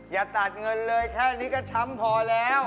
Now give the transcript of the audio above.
อย่าตัดเงินเลยแค่นี้ก็ช้ำพอแล้ว